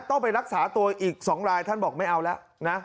ต้องไปรักษาตัวอีก๒รายท่านบอกไม่เอาแล้วนะ